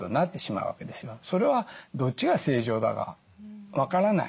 それはどっちが正常だか分からない。